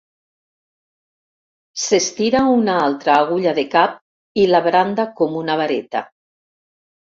S'estira una altra agulla de cap i la branda com una vareta.